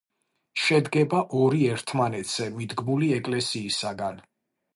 შედგება ორი ერთმანეთზე მიდგმული ეკლესიისაგან.